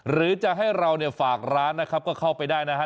หรือจะให้เราเนี่ยฝากร้านนะครับก็เข้าไปได้นะฮะ